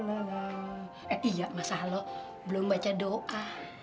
eh iya masalah lu belum baca doa